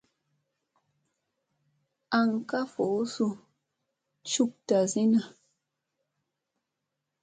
Aŋ ka voo su cuk ta si na.